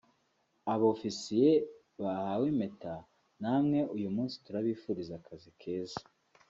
Abofisiye bahawe impeta namwe uyu munsi turabifuriza akazi keza